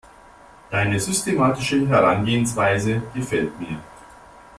Deine systematische Herangehensweise gefällt mir.